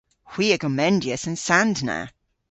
Hwi a gomendyas an sand na.